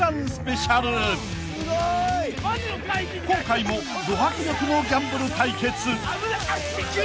［今回もど迫力のギャンブル対決］